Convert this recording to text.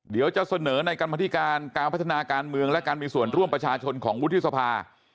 เดี๋ยวจะเสนอในกรรมธิการการพัฒนาการเมืองและการมีส่วนร่วมประชาชนของวุฒิสภา